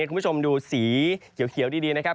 คุณผู้ชมดูสีเขียวดีนะครับ